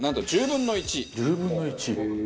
１０分の１！